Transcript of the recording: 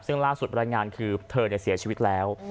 ซึ่งล่าสุดรายงานคือเธอเสียชีวิตแล้ว